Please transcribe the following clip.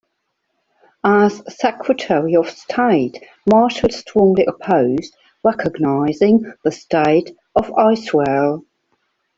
As Secretary of State, Marshall strongly opposed recognizing the state of Israel.